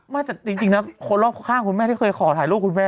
ไม่แต่จริงนะคนรอบข้างคุณแม่ที่เคยขอถ่ายรูปคุณแม่